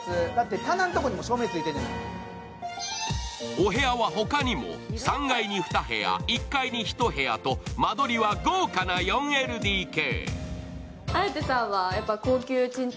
お部屋はほかにも３階に２部屋１階に１部屋と間取りは豪華な４ＬＤＫ。